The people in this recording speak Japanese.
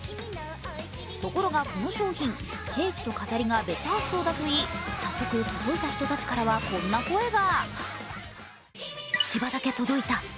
ところがこの商品、ケーキと飾りが別発送だといい早速、届いた人たちからはこんな声が。